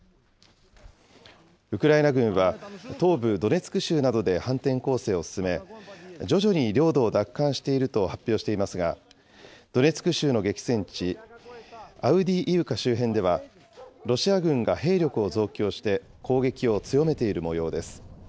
ウクライナ軍は、東部ドネツク州などで反転攻勢を進め、徐々に領土を奪還していると発表していますが、ドネツク州の激戦地、アウディーイウカ周辺では、ロシア軍が兵力を増強して、攻撃を強めているもようです。